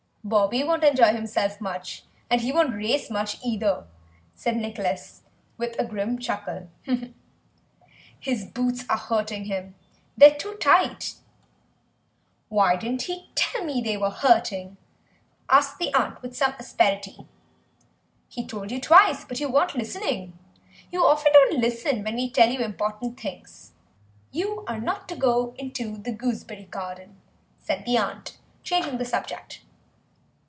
"Bobby won't enjoy himself much, and he won't race much either," said Nicholas with a grim chuckle; "his boots are hurting him. They're too tight." "Why didn't he tell me they were hurting?" asked the aunt with some asperity. "He told you twice, but you weren't listening. You often don't listen when we tell you important things." "You are not to go into the gooseberry garden," said the aunt, changing the subject.